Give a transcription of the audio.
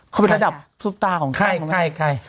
เขาเป็นระดับซุปตาของใคร